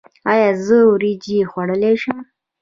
ایا زه وریجې خوړلی شم؟